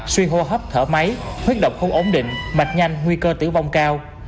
suy hô hấp thở máy huyết độc không ổn định mạch nhanh nguy cơ tử vong cao